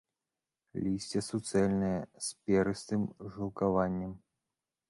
Лісце суцэльнае, з перыстым жылкаваннем.